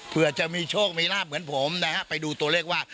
เพื่อจะมีโชคมีลาบเหมือนผมนะฮะไปดูตัวเลขว่า